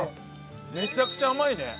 めちゃくちゃ甘いね。